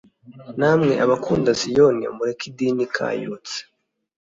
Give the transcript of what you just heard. namwe abakunda siyoni, mureke idini ikayutse;